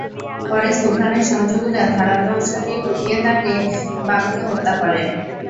পরে সুবহানের সহযোগীরা ধারালো অস্ত্র দিয়ে কুপিয়ে তাঁর বাবাকে হত্যা করে।